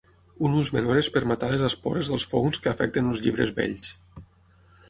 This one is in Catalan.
Un ús menor és per matar les espores dels fongs que afecten els llibres vells.